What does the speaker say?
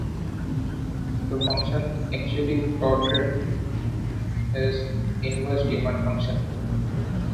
The function actually plotted is the inverse demand function.